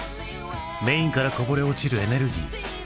メインからこぼれ落ちるエネルギー。